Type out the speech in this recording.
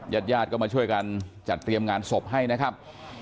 ญาติญาติก็มาช่วยกันจัดเตรียมงานศพให้นะครับ